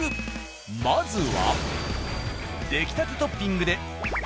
まずは。